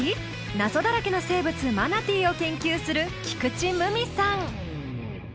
謎だらけの生物マナティーを研究する菊池夢美さん。